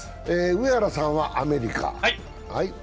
上原さんはアメリカ。